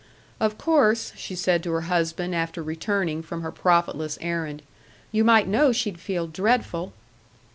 "Of course," she said to her husband, after returning from her profitless errand, "you might know she'd feel dreadful.